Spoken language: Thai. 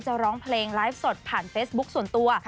ร้องเพลงไลฟ์สดผ่านเฟซบุ๊คส่วนตัว